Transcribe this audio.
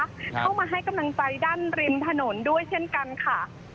เข้ามาให้กำลังใจด้านริมถนนด้วยเช่นกันค่ะ